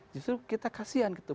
justru kita kasihan gitu